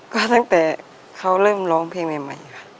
ก็ตั้งแต่เขาเริ่มร้องเพลงใหม่ค่ะ